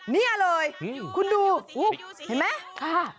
นี่เลยคุณดูเห็นไหมค่ะ